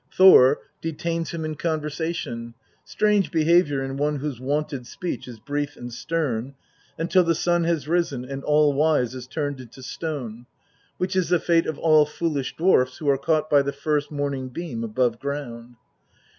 Thor detains him in conversation strange behaviour in one whose wonted speech is brief and stern until the sun has risen and All wise is turned into stone, which is the fate of all foolish dwarfs who are caught by the first morning beam above ground.